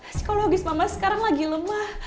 psikologis mama sekarang lagi lemah